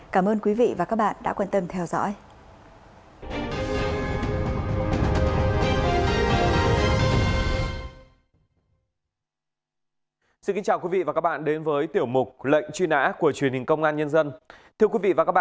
cảm ơn các bạn đã theo dõi